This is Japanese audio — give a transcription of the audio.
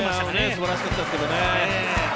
素晴らしかったんですけれどね。